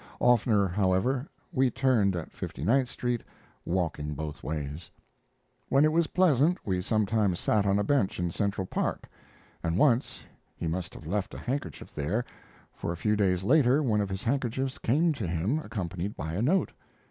Oftener, however, we turned at Fifty ninth Street, walking both ways. When it was pleasant we sometimes sat on a bench in Central Park; and once he must have left a handkerchief there, for a few days later one of his handkerchiefs came to him accompanied by a note.